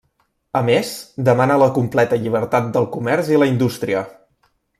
A més, demana la completa llibertat del comerç i la indústria.